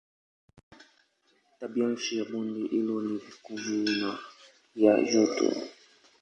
Tabianchi ya bonde hilo ni kavu na ya joto.